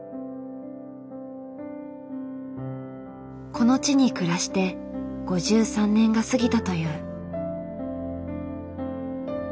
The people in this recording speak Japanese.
この地に暮らして５３年が過ぎたという。